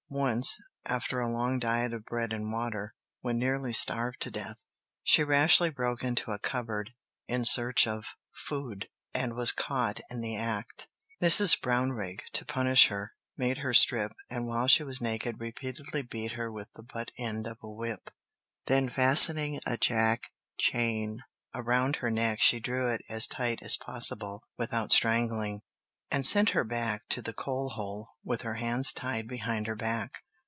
Once, after a long diet of bread and water, when nearly starved to death, she rashly broke into a cupboard in search of food and was caught in the act. Mrs. Brownrigg, to punish her, made her strip, and while she was naked repeatedly beat her with the butt end of a whip. Then fastening a jack chain around her neck she drew it as tight as possible without strangling, and sent her back to the coal hole with her hands tied behind her back.